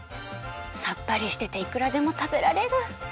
さっぱりしてていくらでもたべられる。